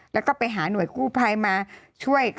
แล้วก็ไปหาหน่วยกู้ภัยมาช่วย